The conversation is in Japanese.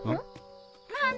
あ！